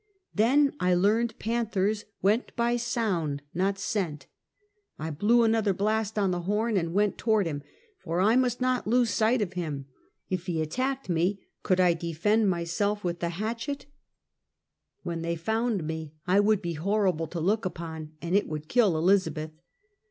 Then I learned panthers went by sound, not scent. I blew another blast on the horn and went toward him, for I must not lose sight of him. If he attacked me, could I defend myself with the hatcliet? When they Training School. 99 found me I would be horrible to look upon, and it would kill Elizabeth.